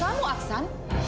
itu kan tugas kamu aksan